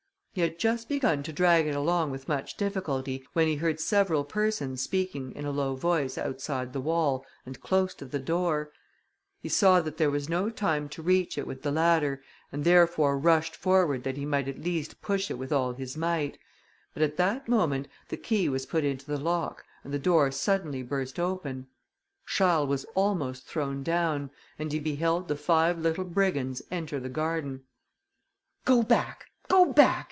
He had just begun to drag it along with much difficulty, when he heard several persons speaking in a low voice outside the wall, and close to the door; he saw that there was no time to reach it with the ladder, and therefore rushed forward, that he might at least push it with all his might; but at that moment the key was put into the lock, and the door suddenly burst open. Charles was almost thrown down, and he beheld the five little brigands enter the garden. "Go back! go back!"